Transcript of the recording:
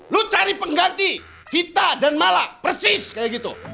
lo cari pengganti vita dan mala persis kayak gitu